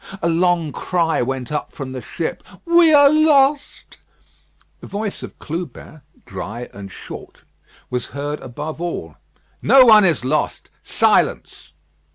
A long cry went up from the ship. "We are lost." The voice of Clubin, dry and short, was heard above all. "No one is lost! Silence!"